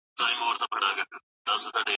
سفیران د نویو تړونونو په متن کي څه شاملوي؟